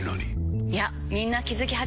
いやみんな気付き始めてます。